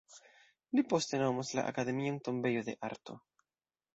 Li poste nomos la akademion "tombejo de arto.